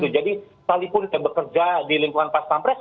jadi walaupun bekerja di lingkungan pas pampres